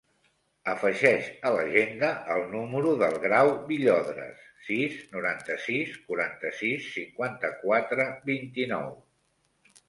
Afegeix a l'agenda el número del Grau Villodres: sis, noranta-sis, quaranta-sis, cinquanta-quatre, vint-i-nou.